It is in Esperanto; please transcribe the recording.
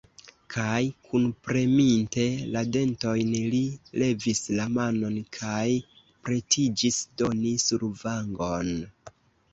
Kaj, kunpreminte la dentojn, li levis la manon kaj pretiĝis doni survangon.